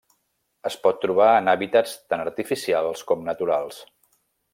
Es pot trobar en hàbitats tant artificials com naturals.